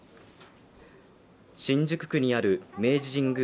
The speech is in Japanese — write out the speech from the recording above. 新宿区にある明治神宮